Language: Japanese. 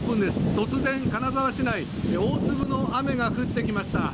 突然、金沢市内大粒の雨が降ってきました。